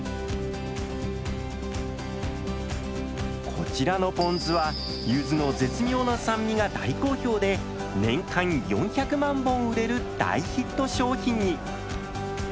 こちらのぽん酢はゆずの絶妙な酸味が大好評で年間４００万本売れる大ヒット商品に。